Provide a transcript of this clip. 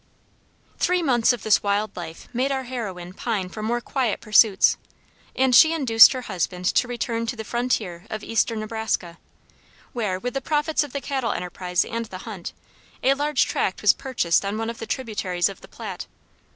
Three months of this wild life made our heroine pine for more quiet pursuits, and she induced her husband to return to the frontier of eastern Nebraska, where, with the profits of the cattle enterprise and the hunt, a large tract was purchased on one of the tributaries of the Platte.